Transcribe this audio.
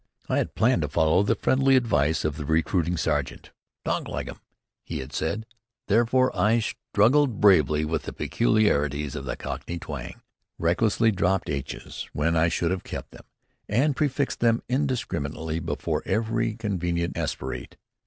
I had planned to follow the friendly advice of the recruiting sergeant. "Talk like 'em," he had said. Therefore, I struggled bravely with the peculiarities of the Cockney twang, recklessly dropped aitches when I should have kept them, and prefixed them indiscriminately before every convenient aspirate.